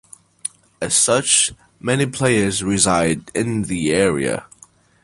As such, many players reside in the area.